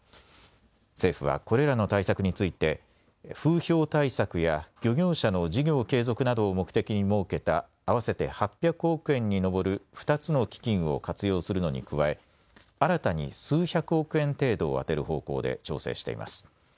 政府はこれらの対策について風評対策や漁業者の事業継続などを目的に設けた合わせて８００億円に上る２つの基金を活用するのに加え新たに数百億円程度を充てる方向で調整しています。